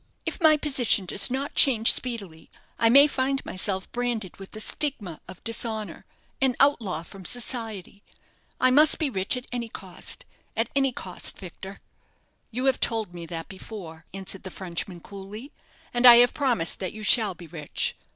If my position does not change speedily I may find myself branded with the stigma of dishonour an outlaw from society. I must be rich at any cost at any cost, Victor." "You have told me that before," answered the Frenchman, coolly, "and I have promised that you shall be rich.